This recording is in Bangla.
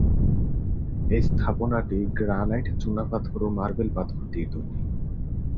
এই স্থাপনাটি গ্রানাইট, চুনাপাথর ও মার্বেল পাথর দিয়ে তৈরী।